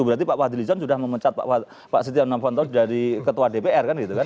berarti pak fadlizon sudah memecat pak setia novanto dari ketua dpr kan gitu kan